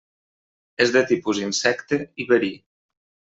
És de tipus insecte i verí.